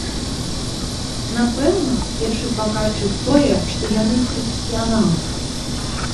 Напэўна, першы паказчык тое, што яны прафесіяналы.